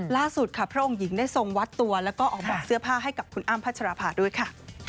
ล่าสุดค่ะพระองค์หญิงได้ทรงวัดตัวแล้วก็ออกแบบเสื้อผ้าให้กับคุณอ้ำพัชราภาด้วยค่ะ